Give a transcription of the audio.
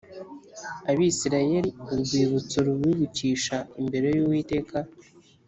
Abisirayeli urwibutso rubibukisha imbere y Uwiteka